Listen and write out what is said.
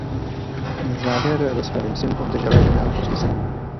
Na závěr rozpravy jsem obdržela jeden návrh usnesení.